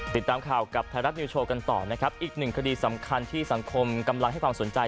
ติดตามข่าวกับไทยรัฐนิวโชว์กันต่อนะครับอีกหนึ่งคดีสำคัญที่สังคมกำลังให้ความสนใจ